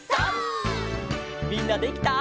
みんなできた？